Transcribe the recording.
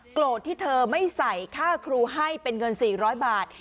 โกรธที่เธอไม่ใส่ค่าครูให้เป็นเงิน๔๐๐บาท